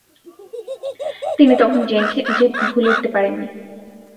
তিনি তখন জেনকে ভুলে উঠতে পারেননি।